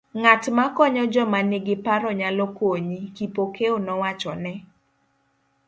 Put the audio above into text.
Ng'at makonyo joma ni gi paro nyalo konyi, Kipokeo nowachone, .